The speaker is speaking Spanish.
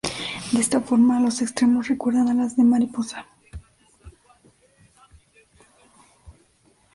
De esta forma, los extremos recuerdan alas de mariposa.